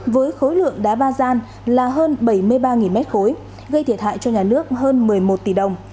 với khối lượng đá ba gian là hơn bảy mươi ba m ba gây thiệt hại cho nhà nước hơn một mươi một tỷ đồng